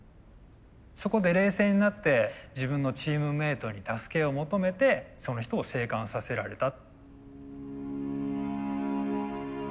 そこで冷静になって自分のチームメートに助けを求めてその人を生還させられた。